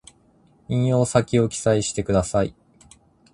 引用先を記載してください